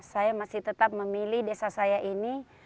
saya masih tetap memilih desa saya ini